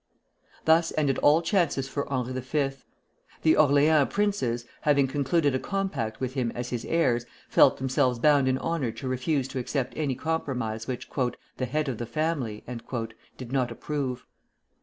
Thus ended all chances for Henri V. The Orleans princes, having concluded a compact with him as his heirs, felt themselves bound in honor to refuse to accept any compromise which "the head of the family" did not approve.